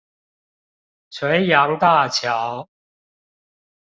垂楊大橋